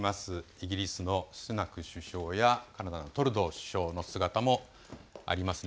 イギリスのスナク首相やカナダのトルドー首相の姿もありますね。